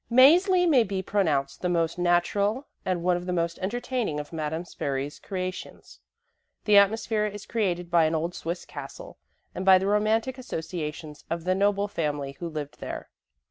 "Mäzli" may be pronounced the most natural and one of the most entertaining of Madame Spyri's creations. The atmosphere is created by an old Swiss castle and by the romantic associations of the noble family who lived there.